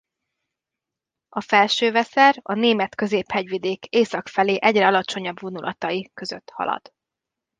A Felső-Weser a Német-középhegyvidék észak felé egyre alacsonyabb vonulatai között halad.